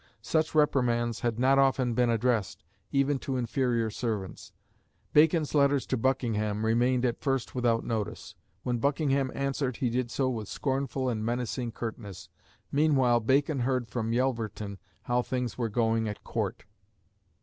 Such reprimands had not often been addressed, even to inferior servants. Bacon's letters to Buckingham remained at first without notice; when Buckingham answered he did so with scornful and menacing curtness. Meanwhile Bacon heard from Yelverton how things were going at Court.